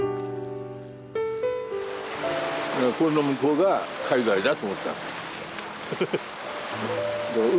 この向こうが海外だと思ってたんです。